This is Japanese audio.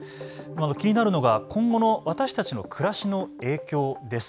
気になるのが今後の私たちの暮らしの影響です。